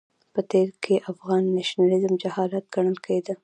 په تېر کې افغان نېشنلېزم جهالت ګڼل کېده.